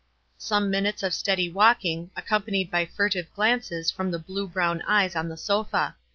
Some minutes of steady walking, accompan ied by furtive glances from the blue brown eyes on the sofa.